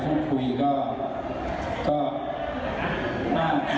สำหรับผู้หญิงที่มีโอกาสได้คุยนะครับที่ผ่านหากล้องนะอะไรนะ